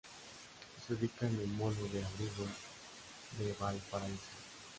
Se ubica en el Molo de Abrigo de Valparaíso.